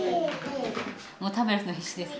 もう食べらすのに必死です。